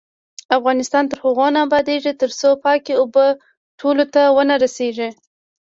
افغانستان تر هغو نه ابادیږي، ترڅو پاکې اوبه ټولو ته ونه رسیږي.